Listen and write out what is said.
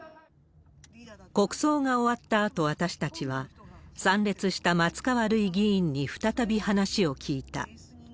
国葬が終わったあと、私たちは、参列した松川るい議員に再び話を聞いた。